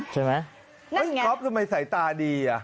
ใช่ไหมนั่นไงก๊อปทำไมใส่ตาดีอ่ะ